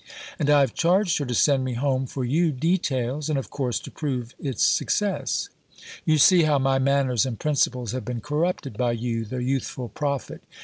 And I have charged her to send me home (for you) details and of course to prove its success. You see how my manners and principles have been corrupted by you, the youthful prophet.